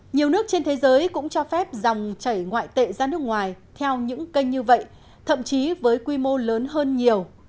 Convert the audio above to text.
nhiều nước trên thế giới cũng cho phép dòng chảy ngoại tệ ra nước ngoài theo những kênh như vậy thậm chí với quy mô lớn hơn nhiều